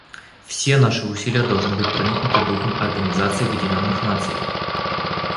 Все наши усилия должны быть проникнуты духом Организации Объединенных Наций.